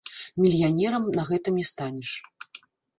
Мільянерам на гэтым не станеш.